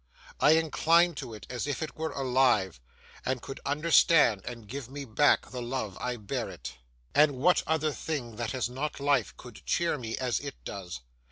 I incline to it as if it were alive, and could understand and give me back the love I bear it. And what other thing that has not life could cheer me as it does?